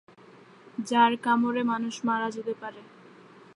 যার কামড়ে মানুষ মারা যেতে পারে।